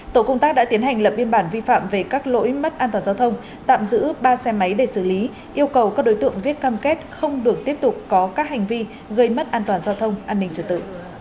tổ công tác đã tiến hành lập biên bản vi phạm về các lỗi mất an toàn giao thông tạm giữ ba xe máy để xử lý yêu cầu các đối tượng viết cam kết không được tiếp tục có các hành vi gây mất an toàn giao thông an ninh trật tự